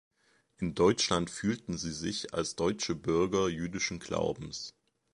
In Deutschland fühlten sie sich als deutsche Bürger jüdischen Glaubens.